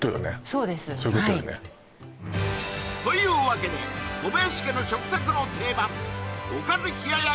そうですそういうことよねというわけで小林家の食卓の定番おかず冷奴